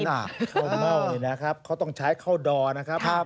ข้าวเม่านี่นะครับเขาต้องใช้เข้าดอนะครับ